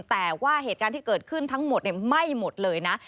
แต่ว่าเหตุการณ์ที่เกิดขึ้นทั้งหมดไหม้หมดเลยนะ